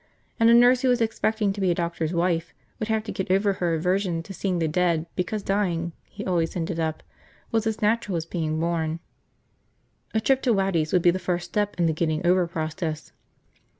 And a nurse who was expecting to be a doctor's wife would have to get over her aversion to seeing the dead because dying, he always ended up, was as natural as being born. A trip to Waddy's would be the first step in the getting over process.